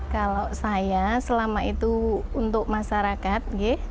kalau saya selama itu untuk masyarakat